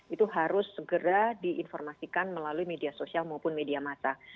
itu harus segera diinformasikan melalui media sosial maupun media massa